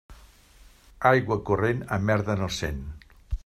Aigua corrent a merda no sent.